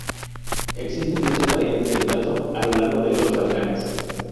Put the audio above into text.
Existen muchas variantes del plato a lo largo de los Balcanes.